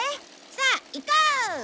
さあ行こう！